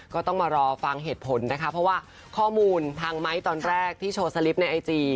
ก็ต้องมารอฟังเหตุผลนะคะเพราะว่าข้อมูลทางไม้ตอนแรกที่โชว์สลิปในไอจี